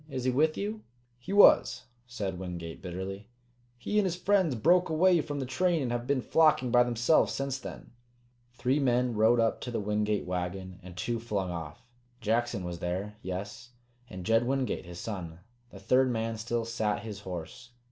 Is he with you?" "He was," said Wingate bitterly. "He and his friends broke away from the train and have been flocking by themselves since then." Three men rode up to the Wingate wagon, and two flung off. Jackson was there, yes, and Jed Wingate, his son. The third man still sat his horse.